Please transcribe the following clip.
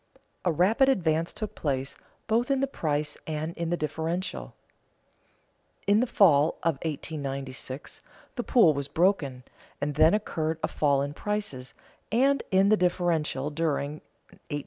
A rapid advance took place, both in the price and in the differential. In the fall of 1896 the pool was broken and then occurred a fall in prices and in the differential during 1896 97.